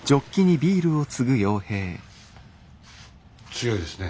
強いですね。